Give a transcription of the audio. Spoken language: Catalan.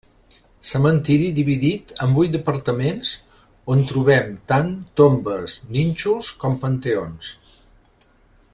Cementiri dividit en vuit departaments on trobem tant tombes, nínxols com panteons.